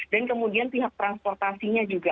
dan kemudian pihak transportasinya juga